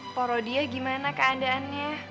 pak rodia gimana keadaannya